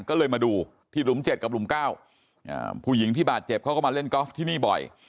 ก็เลยมาดูที่หลุม๗กับหลุม๙ผู้หญิงที่บาดเจ็บเขาก็มาเล่นกอล์ฟที่นี่บ่อย